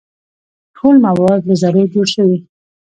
ټول مواد له ذرو جوړ شوي.